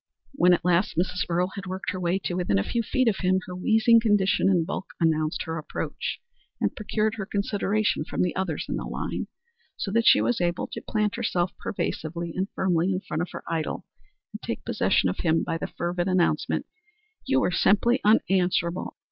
When at last Mrs. Earle had worked her way to within a few feet of him, her wheezing condition and bulk announced her approach, and procured her consideration from the others in the line, so that she was able to plant herself pervasively and firmly in front of her idol and take possession of him by the fervid announcement, "You were simply unanswerable.